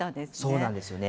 そうなんですよね。